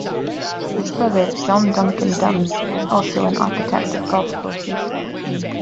His brother John Duncan Dunn was also an architect of golf courses.